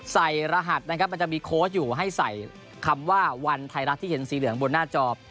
รหัสนะครับมันจะมีโค้ชอยู่ให้ใส่คำว่าวันไทยรัฐที่เห็นสีเหลืองบนหน้าจอ